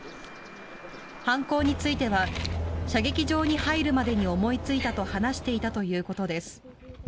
犯行については射撃場に入るまでに思いついたと話していたということです。